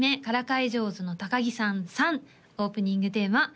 「からかい上手の高木さん３」オープニングテーマ